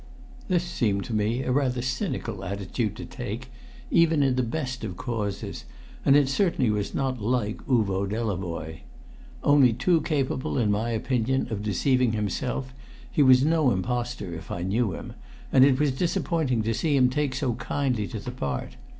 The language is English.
This seemed to me a rather cynical attitude to take, even in the best of causes, and it certainly was not like Uvo Delavoye. Only too capable, in my opinion, of deceiving himself, he was no impostor, if I knew him, and it was disappointing to see him take so kindly to the part.